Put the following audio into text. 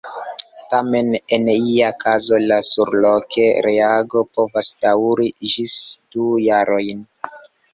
Tamen en iaj kazoj la surloka reago povas daŭri ĝis du jarojn.